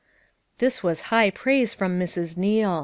This was high praise from Mrs. Neal.